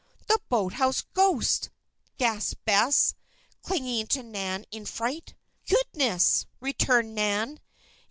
"The boathouse ghost!" gasped Bess, clinging to Nan, in fright. "Goodness!" returned Nan.